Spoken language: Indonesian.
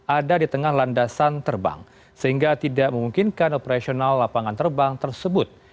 ada di tengah landasan terbang sehingga tidak memungkinkan operasional lapangan terbang tersebut